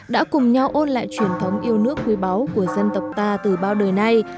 đã cùng nhau ôn lại truyền thống yêu nước quý báu của dân tộc ta từ bao đời nay